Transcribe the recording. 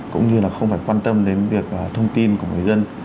cũng như là không phải quan tâm đến việc thông tin của người dân